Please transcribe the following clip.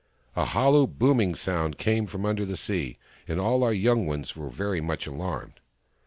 A hollow booming sound came from under the sea, and all our young ones were very much alarmed.